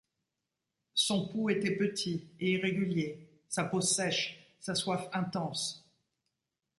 Son pouls était petit et irrégulier, sa peau sèche, sa soif intense.